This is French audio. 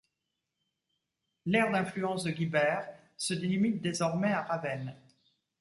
L'aire d'influence de Guibert se limite désormais à Ravenne.